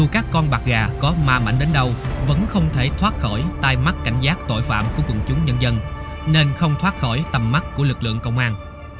các con bạc gà có ma mảnh đến đâu vẫn không thể thoát khỏi tai mắt cảnh giác tội phạm của quần chúng nhân dân nên không thoát khỏi tầm mắt của lực lượng công an